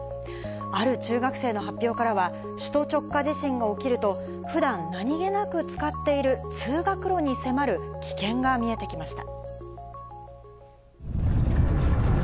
ある中学生の発表からは、首都直下地震が起きると、ふだん、何気なく使っている通学路に迫る危険が見えてきました。